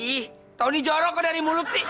ih tau ini jorok kok dari mulut sih